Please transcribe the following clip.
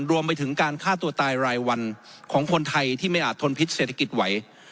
รวมไปถึงการฆ่าตัวตายรายวันของคนไทยที่ไม่อาจทนพิษเศรษฐกิจไหว